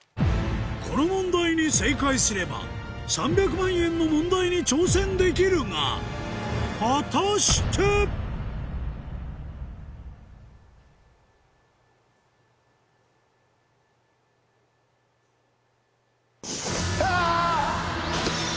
この問題に正解すれば３００万円の問題に挑戦できるが果たして⁉あ！